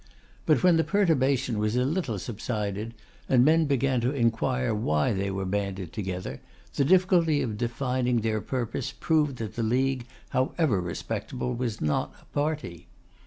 But when the perturbation was a little subsided, and men began to inquire why they were banded together, the difficulty of defining their purpose proved that the league, however respectable, was not a party.